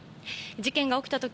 事件が起きた時